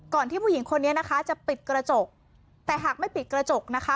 ที่ผู้หญิงคนนี้นะคะจะปิดกระจกแต่หากไม่ปิดกระจกนะคะ